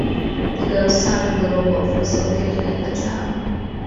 The ghost town of Little Wolf was located in the town.